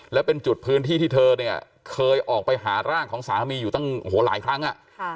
แล้วเป็นจุดพื้นที่ที่เธอเนี่ยเคยออกไปหาร่างของสามีอยู่ตั้งหลายครั้งอ่ะ